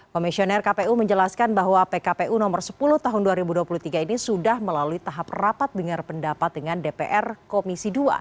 komisioner kpu menjelaskan bahwa pkpu nomor sepuluh tahun dua ribu dua puluh tiga ini sudah melalui tahap rapat dengar pendapat dengan dpr komisi dua